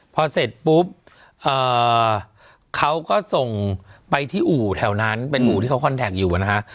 พอเสร็จปุ๊บเขาก็ส่งไปที่อู่แถวนั้นเป็นอู่ที่เขาคอนแท็กอยู่นะฮะ